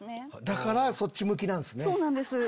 だからそっち向きなんですね。